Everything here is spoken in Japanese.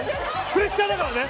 プレッシャーだからね。